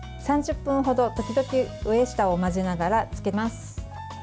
３０分ほど時々上下を混ぜながら漬けます。